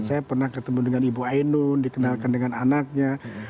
saya pernah ketemu dengan ibu ainun dikenalkan dengan anaknya